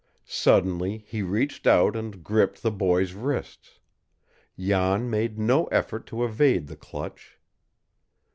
Suddenly he reached out and gripped the boy's wrists. Jan made no effort to evade the clutch.